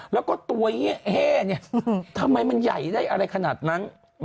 แล้วก็ตัวเย่เนี่ยทำไมมันใหญ่ได้อะไรขนาดนั้น